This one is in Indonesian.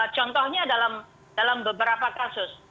contohnya dalam beberapa kasus